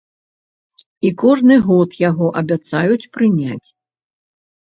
І кожны год яго абяцаюць прыняць.